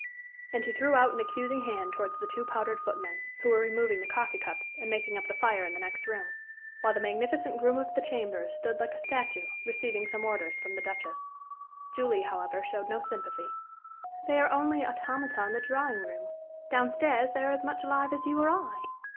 And he threw out an accusing hand towards the two powdered footmen, who were removing the coffee cups and making up the fire in the next room, while the magnificent groom of the chambers stood like a statue, receiving some orders from the Duchess. Julie, however, showed no sympathy. "They are only automata in the drawing room. Down stairs they are as much alive as you or I."